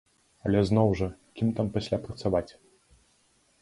Але зноў жа, кім там пасля працаваць?